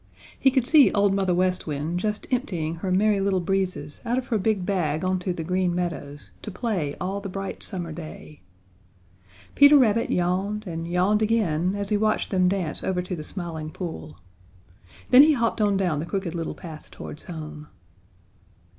He could see Old Mother West Wind just emptying her Merry Little Breezes out of her big bag onto the Green Meadows to play all the bright summer day. Peter Rabbit yawned and yawned again as he watched them dance over to the Smiling Pool. Then he hopped on down the Crooked Little Path towards home.